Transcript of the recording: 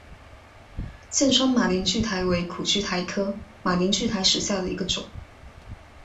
剑川马铃苣苔为苦苣苔科马铃苣苔属下的一个种。